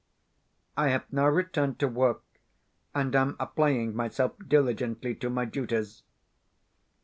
I have now returned to work, and am applying myself diligently to my duties.